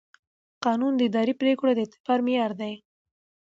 قانون د اداري پرېکړو د اعتبار معیار دی.